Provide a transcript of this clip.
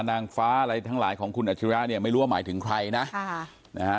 นางฟ้าอะไรทั้งหลายของคุณอาชิริยะเนี่ยไม่รู้ว่าหมายถึงใครนะค่ะนะฮะ